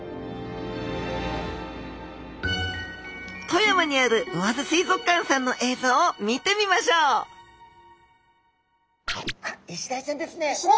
富山にある魚津水族館さんの映像を見てみましょうあイシダイちゃんですね。